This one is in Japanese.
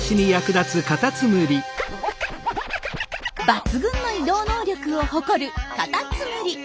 抜群の移動能力を誇るカタツムリ。